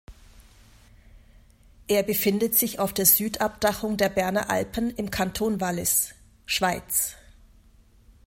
Er befindet sich auf der Südabdachung der Berner Alpen im Kanton Wallis, Schweiz.